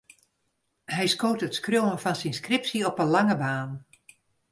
Hy skoot it skriuwen fan syn skripsje op 'e lange baan.